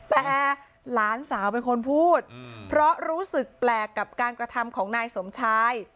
แต่หลานสาวเป็นคนพูดเพราะรู้สึกแปลกกับการกระทำของนายสมชาย